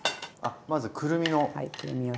まずくるみを。